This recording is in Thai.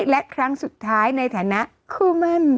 และครั้งสุดท้ายในฐานะคู่มั่น